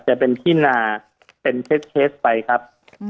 จะเป็นที่นาเป็นเคสไปครับ